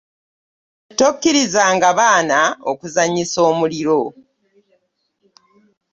Tokirizanga abaana okuzannyisa omuliro.